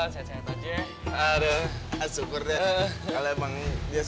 sé sehat sehat aja